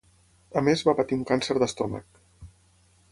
A més va patir un càncer d'estómac.